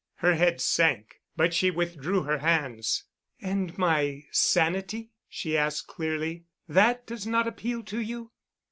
Her head sank, but she withdrew her hands. "And my sanity?" she asked clearly. "That does not appeal to you."